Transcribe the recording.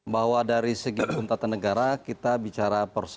bahwa dari segi hukum tata negara kita bicara persoalan